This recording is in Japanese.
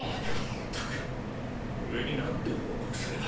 ったく上に何て報告すれば。